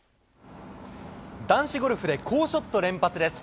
男子ゴルフで好ショット連発です。